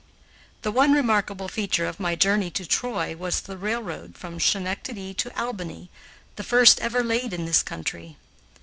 The one remarkable feature of my journey to Troy was the railroad from Schenectady to Albany, the first ever laid in this country.